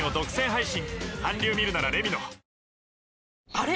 あれ？